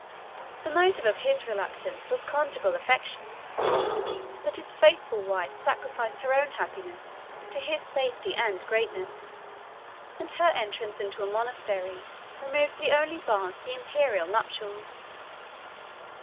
The motive of his reluctance was conjugal affection but his faithful wife sacrificed her own happiness to his safety and greatness; and her entrance into a monastery removed the only bar to the Imperial nuptials.